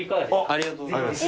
ありがとうございます。